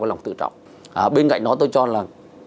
lòng tự trọng bên cạnh đó tôi cho là